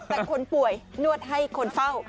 แต่คนป่วยนวดให้คนเฝ้า